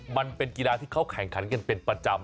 มันเป็นกีฬาที่เขาแข่งขันกันเป็นประจำ